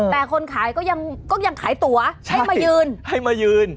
แต่คนขายก็ยังขายตัวให้มายืน